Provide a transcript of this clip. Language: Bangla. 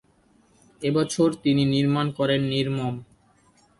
এই বছর তিনি নির্মাণ করেন "নির্মম"।